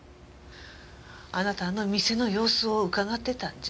あなたあの店の様子をうかがってたんじゃ？